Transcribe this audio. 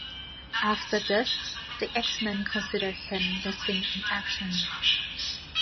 After this, the X-Men consider him missing in action.